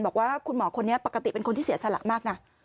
บอกว่าคุณหมอคนนี้ปกติเป็นคนที่เสียสละมากนะ